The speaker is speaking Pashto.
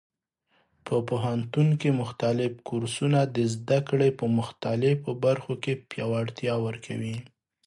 په پوهنتون کې مختلف کورسونه د زده کړې په مختلفو برخو کې پیاوړتیا ورکوي.